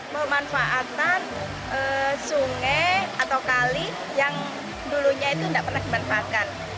pemanfaatan sungai atau kali yang dulunya itu tidak pernah dimanfaatkan